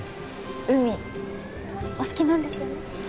海お好きなんですよね？